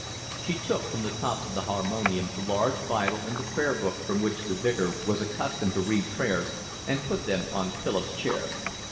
She took from the top of the harmonium the large Bible and the prayer book from which the Vicar was accustomed to read prayers, and put them on Philip's chair.